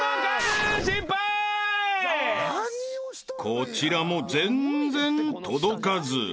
［こちらも全然届かず］